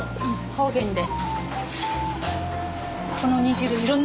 方言で。